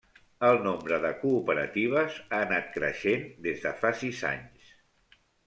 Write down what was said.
El nombre de cooperatives ha anat creixent des de fa sis anys.